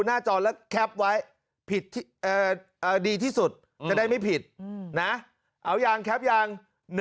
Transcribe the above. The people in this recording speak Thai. หน้าจอแล้วแคปไว้ผิดดีที่สุดจะได้ไม่ผิดนะเอายังแคปยัง